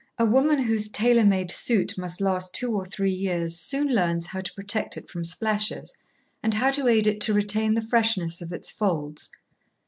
A woman whose tailor made suit must last two or three years soon learns how to protect it from splashes, and how to aid it to retain the freshness of its folds.